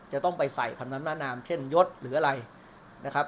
จะต้องไปใส่คำน้ำมะนามเช่นยศหรืออะไรนะครับ